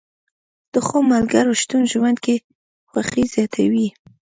د ښو ملګرو شتون ژوند کې خوښي زیاتوي